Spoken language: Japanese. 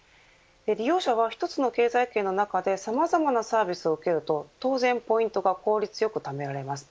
利用者は、１つの経済圏の中でさまざまなサービスを受けると当然、ポイントが効率よくためられます。